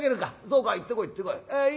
そうか行ってこい行ってこい。